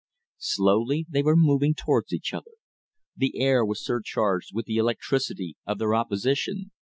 Slowly they were moving toward each other. The air was surcharged with the electricity of their opposition.